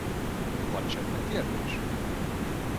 Van esetleg kérdés?